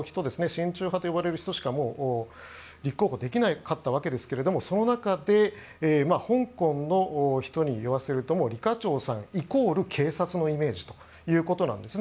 親中派といわれる人しか立候補できなかったわけですがその中で、香港の人に言わせるともうリ・カチョウさんイコール警察のイメージということです。